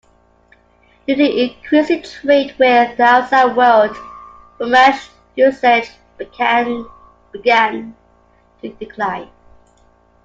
Due to increasing trade with the outside world, Romansh usage began to decline.